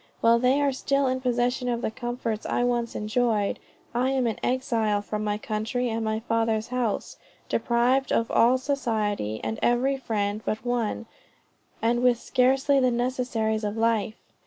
While they are still in possession of the comforts I once enjoyed, I am an exile from my country and my father's house, deprived of all society and every friend but one, and with scarcely the necessaries of life.